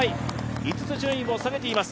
５つ順位を下げています。